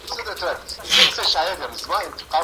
ځکه دا ئې حق دی.